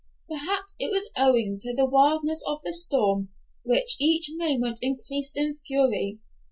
Perhaps it was owing to the wildness of the storm, which each moment increased in fury.